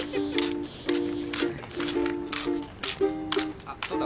あっそうだ。